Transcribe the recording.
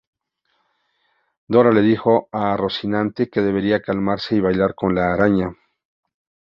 Dora le dijo a Rocinante que debería calmarse y bailar con la araña.